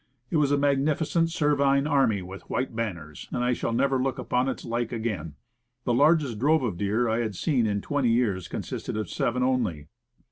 It was a magnificent cervine army with white banners, and I shall never look upon its like again. The largest drove of deer I have seen in twenty years consisted of seven only.